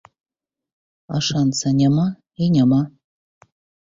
А шанца няма і няма.